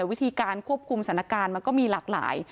วิธีการควบคุมสถานการณ์มันก็มีหลากหลาย